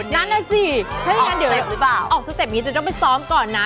นั่นน่ะสิถ้าอย่างนั้นเดี๋ยวออกสเต็ปนี้จะต้องไปซ้อมก่อนนะ